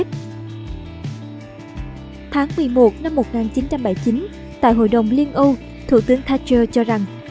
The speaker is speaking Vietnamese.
tháng một mươi một năm một nghìn chín trăm bảy mươi chín tại hội đồng liên âu thủ tướng thatcher cho rằng